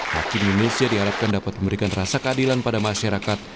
hakim indonesia diharapkan dapat memberikan rasa keadilan pada masyarakat